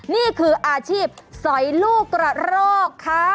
นี่คืออาชีพสอยลูกกระรอกค่ะ